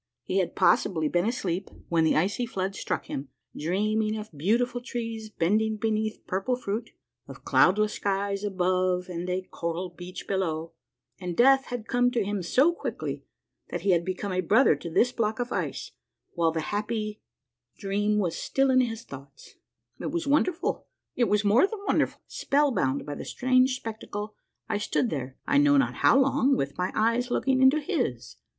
He had possibly been asleep when the icy flood struck him, dreaming of beautiful trees bending beneath purple fruit, of cloudless skies above and a coral beach below, and death had come to him so THE LITTLE MAN WITH THE FROZEN SMILE. A MARVELLOUS UNDERGROUND JOURNEY 169 quickly that he had become a brother to this block of ice while the happy di eam was still in his thoughts. It was wonderful, it was more than wonderful ! Spellbound by the strange spectacle, I stood there, I know not how long, with my eyes looking into his.